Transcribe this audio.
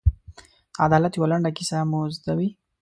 د عدالت یوه لنډه کیسه مو زده وي.